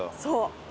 そう。